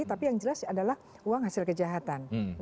tapi yang jelas adalah uang hasil kejahatan